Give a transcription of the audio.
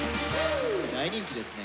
大人気ですね。